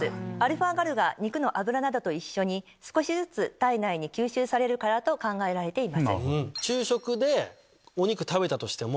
α−ｇａｌが肉の脂などと一緒に少しずつ体内に吸収されるからと考えられています。